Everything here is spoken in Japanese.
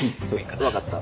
わかった。